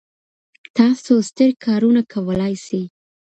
تاسو ستر کارونه کولای سئ.